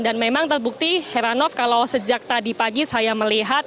memang terbukti heranov kalau sejak tadi pagi saya melihat